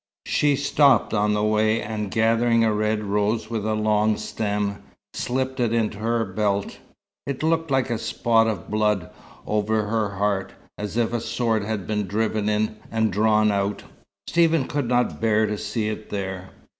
She stopped on the way, and, gathering a red rose with a long stem, slipped it into her belt. It looked like a spot of blood over her heart, as if a sword had been driven in and drawn out. Stephen could not bear to see it there.